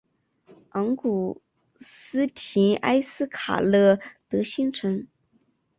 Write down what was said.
昂古斯廷埃斯卡勒德新城。